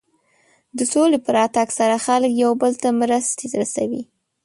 د سولې په راتګ سره خلک یو بل ته مرستې رسوي.